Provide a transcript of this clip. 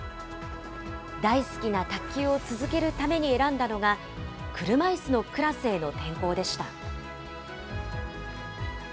大好きな卓球を続けるために選んだのが、車いすのクラスへの転向でした。